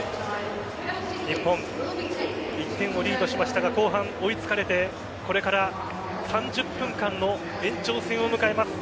日本、１点をリードしましたが後半追いつかれてこれから３０分間の延長戦を迎えます。